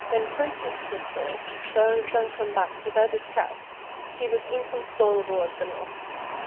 When Princess Crystal saw her son come back with out his cap, she was inconsolable at the loss.